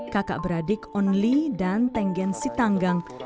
kakak beradik only dan tenggen sitanggang